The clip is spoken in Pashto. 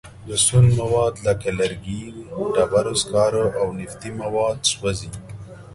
د سون مواد لکه لرګي، ډبرو سکاره او نفتي مواد سوځي.